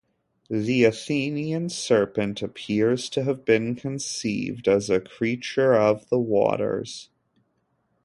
The Athenian serpent appears to have been conceived as a creature of the waters.